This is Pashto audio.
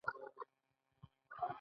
وروسته مالیې وزارت ته لیږل کیږي.